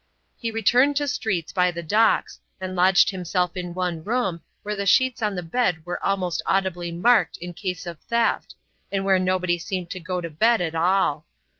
He returned to streets by the Docks, and lodged himself in one room, where the sheets on the bed were almost audibly marked in case of theft, and where nobody seemed to go to bed at all.